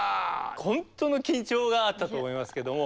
本当の緊張があったと思いますけども。